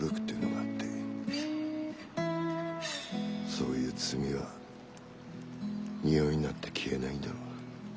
そういう罪はにおいになって消えないんだろ。